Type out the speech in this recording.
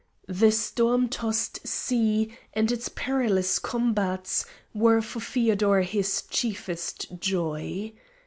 The storm tossed sea and its perilous combats were for Feodor his chiefest joy.